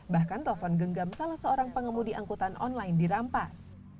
bahkan telepon genggam salah seorang pengemudi angkutan online dirampas